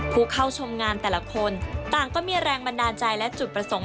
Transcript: ผู้เข้าชมงานแต่ละคนต่างก็มีแรงบันดาลใจและจุดประสงค์